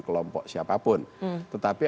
kelompok siapapun tetapi